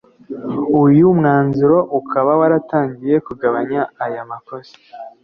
uyu mwanzuro ukaba waratangiye kugabanya aya makosa